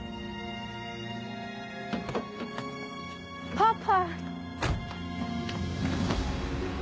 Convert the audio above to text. パパ！